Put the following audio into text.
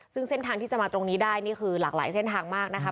ซึ่งเส้นทางที่จะมาตรงนี้ได้นี่คือหลากหลายเส้นทางมากนะคะ